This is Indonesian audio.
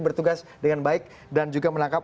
bertugas dengan baik dan juga menangkap